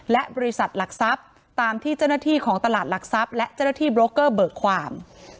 และบริษัทหลักทรัพย์ตามที่เจ้าหน้าที่ของตลาดหลักทรัพย์และเจ้าหน้าที่โบรกเกอร์เบิกความ